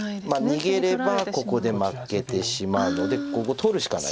逃げればここで負けてしまうのでここ取るしかないです。